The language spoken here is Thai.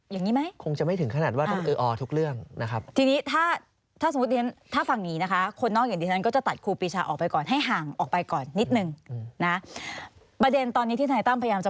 อย่างนี้ไหมคงจะไม่ถึงขนาดว่าต้อง